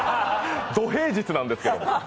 ド平日なんですけど。